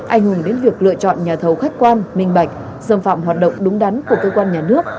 ảnh hưởng đến việc lựa chọn nhà thầu khách quan minh bạch xâm phạm hoạt động đúng đắn của cơ quan nhà nước